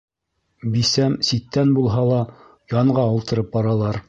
Бисәм ситтән булһа ла, янға ултырып баралар.